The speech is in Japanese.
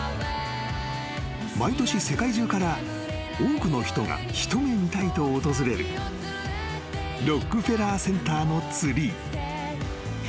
［毎年世界中から多くの人が一目見たいと訪れるロックフェラーセンターのツリー］